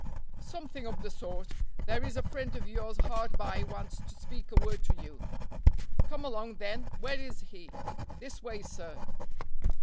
"Something of the sort. There is a friend of yours hard by wants to speak a word to you." "Come along, then. Where is he?" "This way, sir."